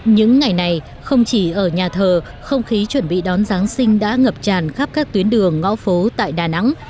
những ngày này không chỉ ở nhà thờ không khí chuẩn bị đón giáng sinh đã ngập tràn khắp các tuyến đường ngõ phố tại đà nẵng